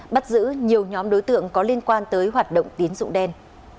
bắt giữ nhiều nhóm đối tượng có liên quan tới hoạt động tín dụng đen